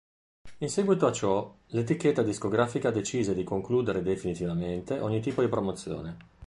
In seguito a ciò, l'etichetta discografica decise di concludere definitivamente ogni tipo di promozione.